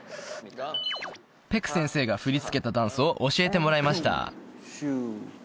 ペク先生が振り付けたダンスを教えてもらいました